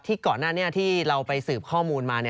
ก่อนหน้านี้ที่เราไปสืบข้อมูลมา